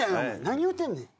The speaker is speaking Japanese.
何言うてんねん。